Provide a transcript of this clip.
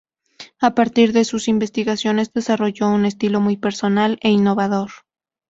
A partir de sus investigaciones desarrolló un estilo muy personal e innovador.